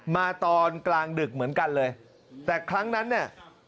มาตอนกลางดึกเหมือนกันเลยแต่ครั้งนั้นเนี่ย